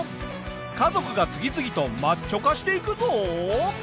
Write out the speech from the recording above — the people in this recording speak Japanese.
家族が次々とマッチョ化していくぞ。